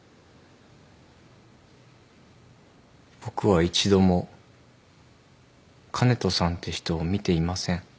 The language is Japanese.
僕は一度も香音人さんって人を見ていません。